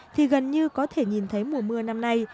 thì gần như có thể nhìn thấy mùa mưa năm nay